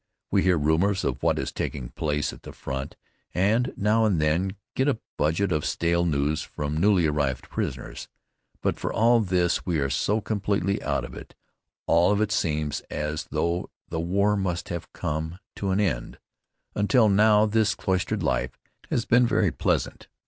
We hear rumors of what is taking place at the front, and now and then get a budget of stale news from newly arrived prisoners. But for all this we are so completely out of it all that it seems as though the war must have come to an end. Until now this cloistered life has been very pleasant.